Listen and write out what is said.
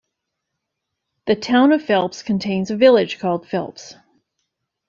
The Town of Phelps contains a village called Phelps.